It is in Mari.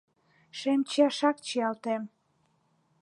Шем чияшак чиялтем.